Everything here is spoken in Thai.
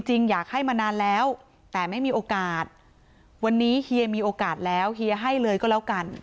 จริงอยากให้มานานแล้วแต่ไม่มีโอกาสวันนี้เฮียมีโอกาสแล้วเฮียให้เลยก็แล้วกัน